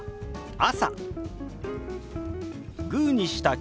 「朝」。